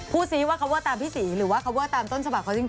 พูดซิว่าเขาว่าตามพี่ศรีหรือว่าเขาว่าตามต้นฉบับเขาจริง